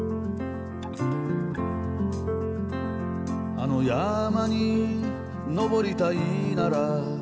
「あの山に登りたいなら」